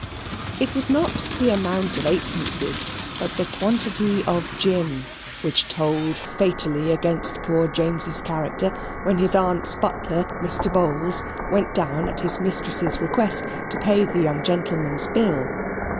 It was not the amount of eightpences, but the quantity of gin which told fatally against poor James's character, when his aunt's butler, Mr. Bowls, went down at his mistress's request to pay the young gentleman's bill.